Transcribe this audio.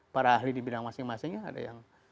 para ahli di bidang masing masing ada yang